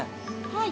はい。